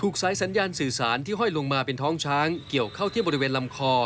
สายสัญญาณสื่อสารที่ห้อยลงมาเป็นท้องช้างเกี่ยวเข้าที่บริเวณลำคอ